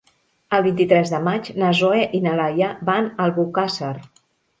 El vint-i-tres de maig na Zoè i na Laia van a Albocàsser.